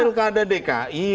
urusan pilkada dki